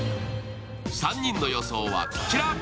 ３人の予想は、こちら。